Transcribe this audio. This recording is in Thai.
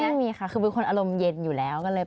ไม่มีค่ะคือมีควรอารมณ์เย็นอยู่ก็แล้วก็เลยปกติ